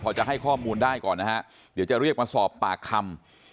พอจะให้ข้อมูลได้ก่อนนะฮะเดี๋ยวจะเรียกมาสอบปากคำ